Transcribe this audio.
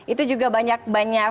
itu juga banyak banyak